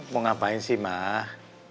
mau ngapain sih mah